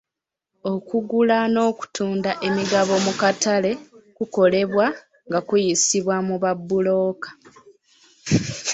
Okugula n'okutunda emigabo mu katale kukolebwa nga kuyisibwa mu ba bbulooka.